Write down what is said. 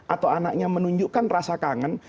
atau anaknya menunjukkan rasa kangen